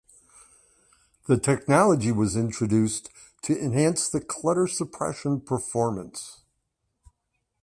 The technology was introduced to enhance the clutter suppression performance.